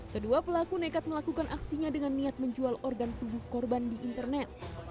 kedua pelaku nekat melakukan aksinya dengan niat menjual organ tubuh korban di internet